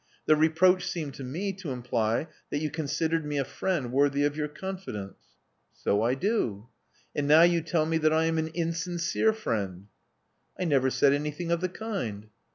The reproach seemed to me to imply that you considered me a friend worthy of your confidence. '' SoI do.'' *' And now you tell me that I am an insincere friend. '* I never said anything of the kind."